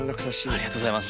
ありがとうございます。